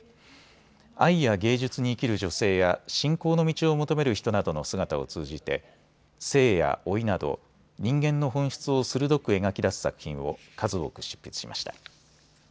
愛や芸術に生きる女性や信仰の道を求める人などの姿を通じて性や老いなど人間の本質を鋭く描き出す作品を数多く執筆しました。